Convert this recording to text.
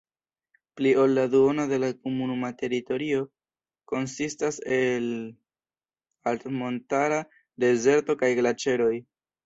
Pli ol la duono de la komunuma teritorio konsistas el altmontara dezerto kaj glaĉeroj.